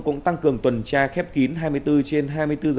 cũng tăng cường tuần tra khép kín hai mươi bốn trên hai mươi bốn giờ